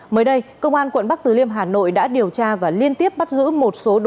mới đây công an quận bắc từ liêm hà nội đã điều tra và liên tiếp bắt giữ một số đối tượng